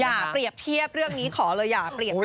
อย่าเปรียบเทียบเรื่องนี้ขอเลยอย่าเปรียบเทียบ